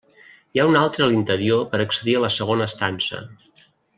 Hi ha un altre a l'interior per accedir a la segona estança.